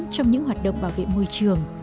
trong những hoạt động bảo vệ môi trường